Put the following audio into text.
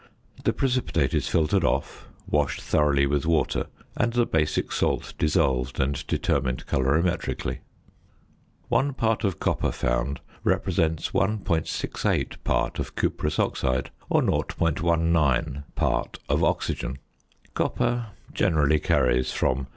The precipitate is filtered off, washed thoroughly with water, and the basic salt dissolved and determined colorimetrically. One part of copper found represents 1.68 part of cuprous oxide, or 0.19 part of oxygen. Copper generally carries from 0.